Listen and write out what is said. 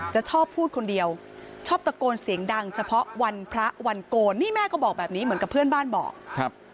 จะชอบพูดคนเดียวชอบตะโกนเสียงดังเฉพาะวันพระวันโกนนี่แม่ก็บอกแบบนี้เหมือนกับเพื่อนบ้านบอกครับ